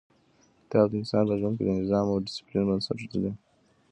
کتاب د انسان په ژوند کې د نظم او ډیسپلین بنسټ ږدي.